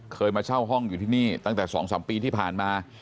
เคยมาเช่าห้องอยู่ที่นี่ตั้งแต่๒๓ปีที่ผ่านมา